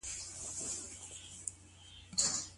د هر چا سره چي هر څه وي واده ته يې راوړلای سي؟